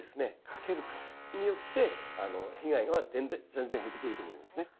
かけるかによって被害は全然減ってくると思いますね。